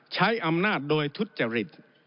ใช้อำนาจโดยทุจริต